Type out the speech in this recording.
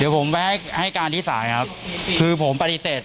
เดี๋ยวผมไปให้การทิสัยครับคือผมปฏิเสธ